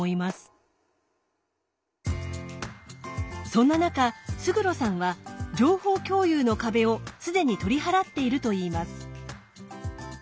そんな中勝呂さんは情報共有の壁を既に取り払っているといいます。